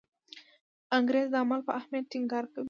انګریز د عمل په اهمیت ټینګار کوي.